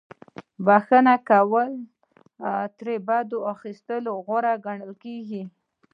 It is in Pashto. خو بخښنه کول تر بدل اخیستلو غوره ګڼل کیږي.